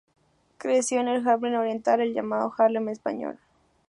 Creció en el Harlem oriental, el llamado Harlem Español.